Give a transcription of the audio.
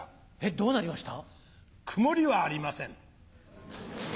どうなりました？